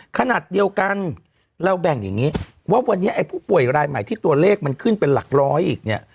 ขนาดเดียวกันเราแบ่งอย่างนี้ว่าวันนี้ไอ้ผู้ป่วยรายใหม่ที่ตัวเลขมันขึ้นเป็นหลักร้อยอีกเนี่ย